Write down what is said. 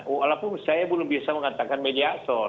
walaupun saya belum bisa mengatakan media aksor